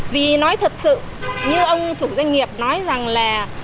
vì nói thật sự như ông chủ doanh nghiệp nói rằng là